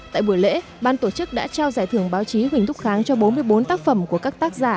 tại buổi lễ ban tổ chức đã trao giải thưởng báo chí huỳnh thúc kháng cho bốn mươi bốn tác phẩm của các tác giả